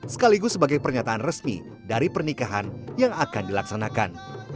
sekaligus sebagai pernyataan resmi dari pernikahan yang akan dilaksanakan